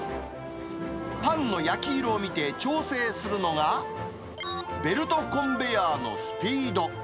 パンの焼き色を見て、調整するのが、ベルトコンベヤーのスピード。